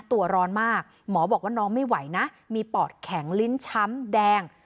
ตัวร้อนมากหมอบอกว่าน้องไม่ไหวนะมีปอดแข็งลิ้นช้ำแดง